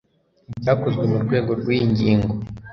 ibyakozwe mu rwego rw'iyi ngingo